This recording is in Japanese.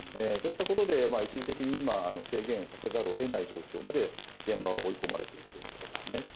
そういったことで一時的に今は制限をかけざるを得ない状況まで現場は追い込まれているということですね。